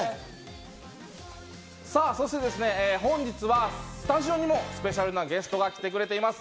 そしてですね、本日はスタジオにもスペシャルなゲストが来てくれています。